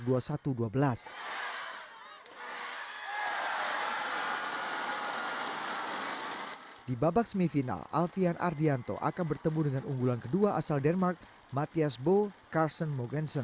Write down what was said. di babak semifinal alfian ardianto akan bertemu dengan unggulan kedua asal denmark mathias boe carson mogensen